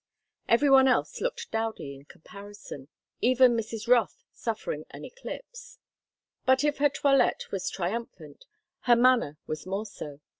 Everybody else looked dowdy in comparison, even Mrs. Rothe suffering an eclipse. But if her toilette was triumphant, her manner was more so.